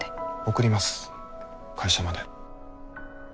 送ります会社まで。